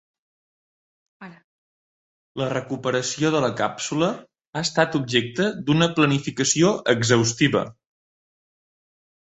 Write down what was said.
La recuperació de la càpsula ha estat objecte d'una planificació exhaustiva.